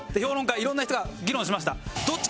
いろんな人が議論しました。